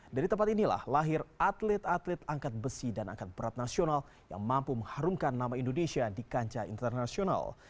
dari tempat inilah lahir atlet atlet angkat besi dan angkat berat nasional yang mampu mengharumkan nama indonesia di kancah internasional